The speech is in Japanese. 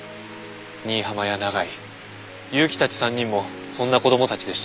新浜や永井結城たち３人もそんな子供たちでした。